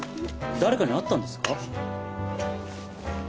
だれかに会ったんですか？